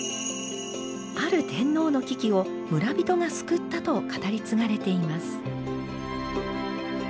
ある天皇の危機を村人が救ったと語り継がれています。